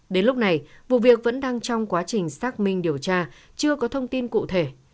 đến lúc này vụ việc vẫn đang trong quá trình xác minh điều tra chưa có thông tin cụ thể